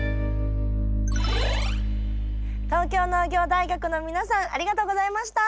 東京農業大学の皆さんありがとうございました！